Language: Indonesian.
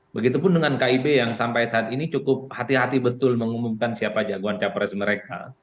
begitupun dengan kib yang sampai saat ini cukup hati hati betul mengumumkan siapa jagoan capres mereka